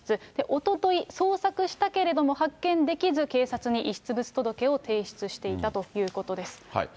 おととい、捜索したけれども発見できず、警察に遺失物届を提出していたということです。